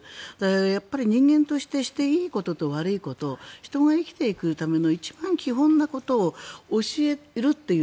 やっぱり、人間としてしていいことと悪いこと人が生きていくための一番基本なことを教えるという